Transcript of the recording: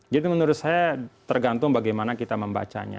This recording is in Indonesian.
jadi menurut saya tergantung bagaimana kita membacanya